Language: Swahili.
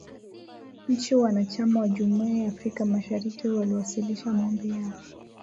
Nchi wanachama wa Jumuiya ya Afrika Mashariki waliwasilisha maombi yao